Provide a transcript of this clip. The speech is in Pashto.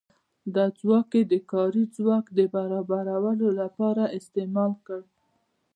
دا ځواک یې د کاري ځواک برابرولو لپاره استعمال کړ.